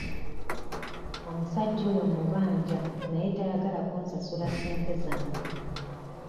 Omusajja oyo mmubanja naye tayagala kunsasula ssente zange.